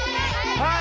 はい！